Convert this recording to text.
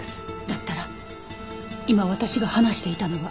だったら今私が話していたのは？